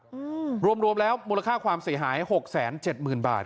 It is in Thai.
โอ้โหรวมรวมแล้วมูลค่าความเสียหายศกัตร